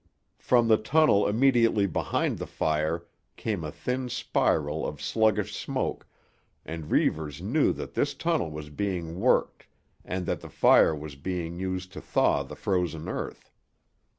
From the tunnel immediately behind the fire came a thin spiral of sluggish smoke, and Reivers knew that this tunnel was being worked and that the fire was being used to thaw the frozen earth.